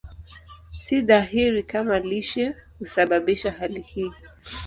Si dhahiri kama lishe husababisha hali hii.